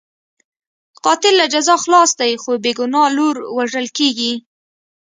قاتل له جزا خلاص دی، خو بې ګناه لور وژل کېږي.